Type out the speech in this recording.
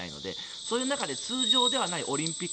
そういう中で通常ではないオリンピック。